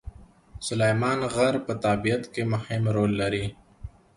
سلیمان غر په طبیعت کې مهم رول لري.